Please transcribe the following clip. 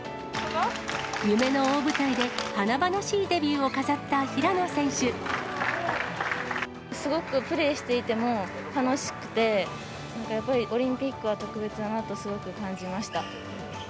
夢の大舞台で華々しいデビューをすごくプレーしていても楽しくて、なんかやっぱり、オリンピックは特別だなと、すごく感じました。